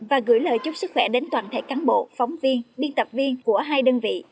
và gửi lời chúc sức khỏe đến toàn thể cán bộ phóng viên biên tập viên của hai đơn vị